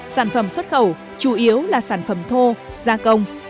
sản phẩm xuất khẩu chủ yếu là sản phẩm thô gia công